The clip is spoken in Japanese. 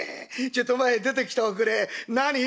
ちょいとお前出てきておくれ。何？」。